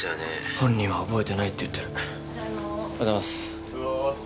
本人は覚えてないって言ってる・おはようございますおはようございます